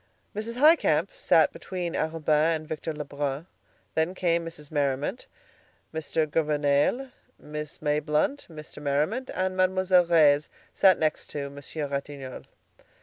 Mrs. Highcamp sat between Arobin and Victor Lebrun. Then came Mrs. Merriman, Mr. Gouvernail, Miss Mayblunt, Mr. Merriman, and Mademoiselle Reisz next to Monsieur Ratignolle.